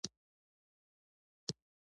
پتڼ خو نه یم چي د عقل برخه نه لرمه